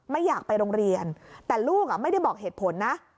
ไม่อยากไปโรงเรียนแต่ลูกไม่ได้บอกเหตุผลนะ